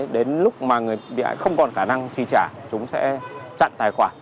đến lúc mà người bị hại không còn khả năng trì trả chúng sẽ chặn tài khoản